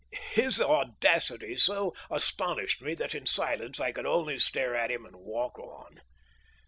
His audacity so astonished me that in silence I could only stare at him and walk on.